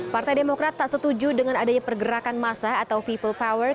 partai demokrat tak setuju dengan adanya pergerakan massa atau people power